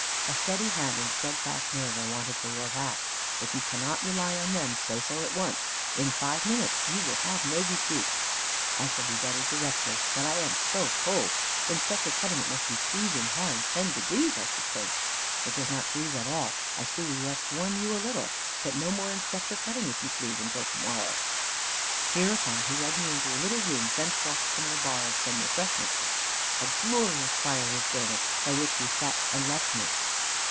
"A steady hand and steadfast nerve are wanted for your task. If you cannot rely on them, say so at once. In five minutes you will have no retreat." "I shall be better directly. But I am so cold. Inspector Cutting, it must be freezing hard ten degrees, I should think." "It does not freeze at all. I see we must warm you a little. But no more 'Inspector Cutting,' if you please, until to morrow." Hereupon he led me into a little room, fenced off from the bar of some refreshment house. A glorious fire was burning, by which he set and left me.